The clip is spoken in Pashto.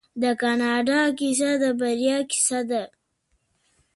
د کاناډا کیسه د بریا کیسه ده.